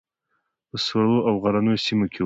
په سړو او غرنیو سیمو کې وو.